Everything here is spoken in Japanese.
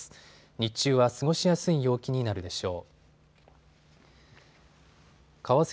日中は過ごしやすい陽気になるでしょう。